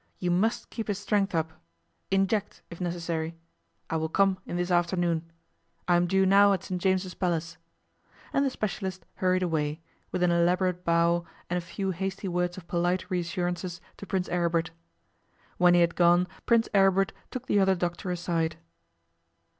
You must keep his strength up. Inject, if necessary. I will come in this afternoon. I am due now at St James's Palace.' And the specialist hurried away, with an elaborate bow and a few hasty words of polite reassurances to Prince Aribert. When he had gone Prince Aribert took the other doctor aside.